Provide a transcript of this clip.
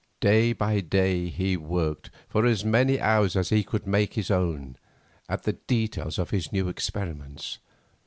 Day by day he worked, for as many hours as he could make his own, at the details of his new experiments.